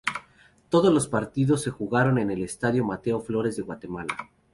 Todos los partidos se jugaron en el Estadio Mateo Flores de Guatemala.